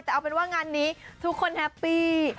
แต่เอาเป็นว่างานนี้ทุกคนแฮปปี้